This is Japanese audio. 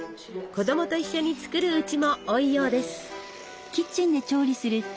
子供と一緒に作るうちも多いようです。